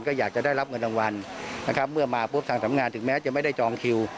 ก็อยากจะได้รับเงินรางวัลนะครับเมื่อมาปุ๊บทางสำงานถึงแม้จะไม่ได้จองคิว